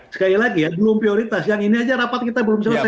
sekali lagi ya belum prioritas yang ini aja rapat kita belum selesai